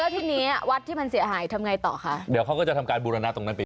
ทีนี้วัดที่มันเสียหายทำไงต่อคะเดี๋ยวเขาก็จะทำการบูรณะตรงนั้นไปอีก